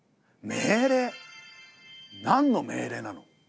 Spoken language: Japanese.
命令。何の命令なの？